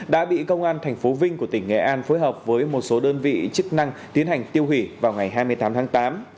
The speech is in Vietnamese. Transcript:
đã bị công an tp vinh của tỉnh nghệ an phối hợp với một số đơn vị chức năng tiến hành tiêu hủy vào ngày hai mươi tám tháng tám